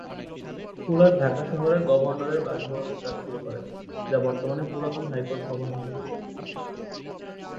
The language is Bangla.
ফুলার ঢাকা শহরের গভর্নরের বাসভবনের কাজ শুরু করেন, যা বর্তমানে পুরাতন হাইকোর্ট ভবন হিসেবে পরিচিত।